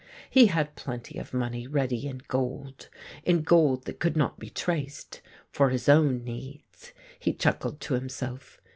He had plenty of money ready in gold — in gold that could not be traced — for his own needs. He chuckled to himself.